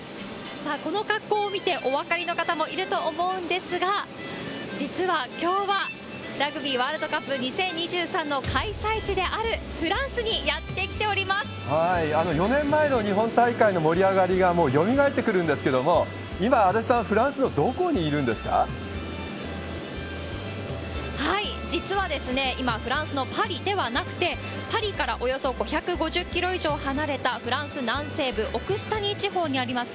さあ、この格好を見てお分かりの方もいると思うんですが、実はきょうは、ラグビーワールドカップ２０２３の開催地である、フランスにやっ４年前の日本大会の盛り上がりが、もうよみがえってくるんですけども、今、足立さん、フランスのど実は、今、フランスのパリではなくて、パリからおよそ５５０キロ以上離れたフランス南西部オクシタニー地方にあります